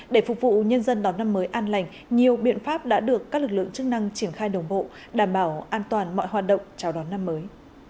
để phục vụ nhân dân đón năm mới an lành nhiều biện pháp đã được các lực lượng chức năng triển khai đồng bộ đảm bảo an toàn mọi hoạt động chào đón năm mới